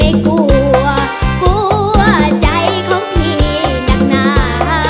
กลัวกลัวใจของพี่นักหนา